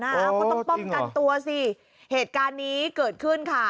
ก็ต้องป้องกันตัวสิเหตุการณ์นี้เกิดขึ้นค่ะ